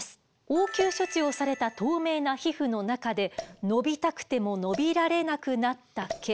応急処置をされた透明な皮膚の中で伸びたくても伸びられなくなった毛